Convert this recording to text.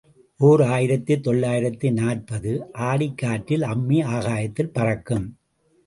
ஓர் ஆயிரத்து தொள்ளாயிரத்து நாற்பது ஆடிக் காற்றில் அம்மி ஆகாயத்தில் பறக்கும்.